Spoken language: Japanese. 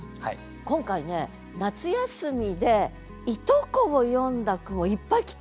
今回ね「夏休」でいとこを詠んだ句もいっぱい来て。